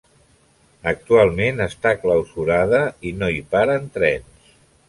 Actualment està clausurada i no hi paren trens.